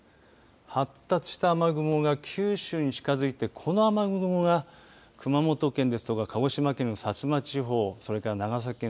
発達した雨雲が九州に近づいてこの雨雲が熊本県ですとか鹿児島県の薩摩地方それから長崎県、